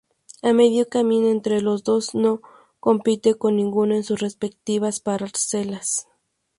A medio camino entre los dos, no compite con ninguno en sus respectivas parcelas.